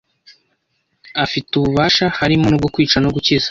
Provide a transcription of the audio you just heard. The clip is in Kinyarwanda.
afite ububasha harimo n’ubwo kwica no gukiza ;